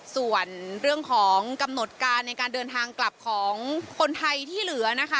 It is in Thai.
ส่วนเรื่องของกำหนดการในการเดินทางกลับของคนไทยที่เหลือนะคะ